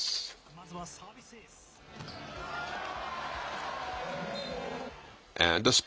まずはサービスエース。